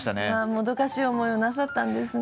もどかしい思いをなさったんですね。